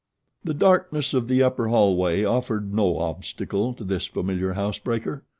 The darkness of the upper hallway offered no obstacle to this familiar housebreaker.